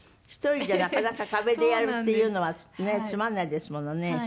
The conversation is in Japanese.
１人でなかなか壁でやるっていうのはねえつまらないですものね。